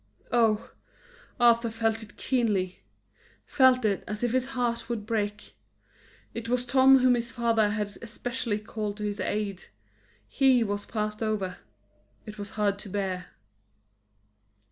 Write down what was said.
Oh! Arthur felt it keenly! felt it as if his heart would break. It was Tom whom his father had especially called to his aid; he was passed over. It was hard to bear.